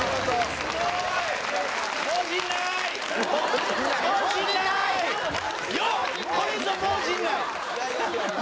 すごい。